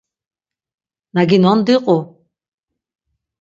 Na ginon diqu.